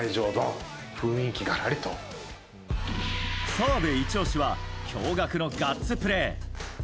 澤部イチ押しは驚愕のガッツプレー。